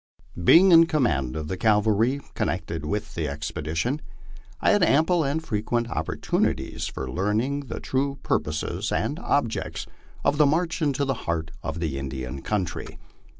Being in command of the cavalry connected with the expedition, I had am ple and frequent opportunities for learning the true purposes and objects of the march into the heart of the Indian country.